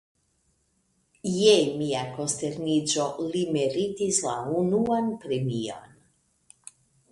Je mia konsterniĝo, li meritis la unuan premion!